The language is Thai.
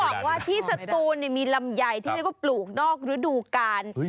แล้วจะบอกว่าที่สตูนมีลำไยที่เรียกว่าปลูกนอกหรือดูการ